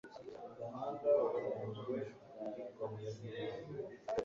Umuhanda wafunzwe n'ikamyo nini.